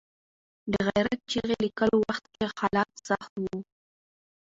د غیرت چغې لیکلو وخت کې حالات سخت وو.